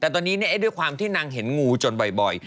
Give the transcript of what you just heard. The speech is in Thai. แต่ตอนนี้ด้วยความที่นางเห็นงูจนบ่อย